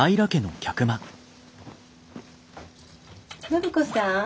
暢子さん。